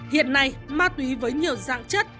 hiện nay ma túy với nhiều dạng chất